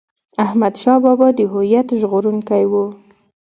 احمد شاه بابا د هویت ژغورونکی و.